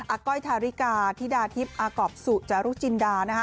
อาก้อยทาริกาธิดาทิพย์อากอบสุจรุจินดา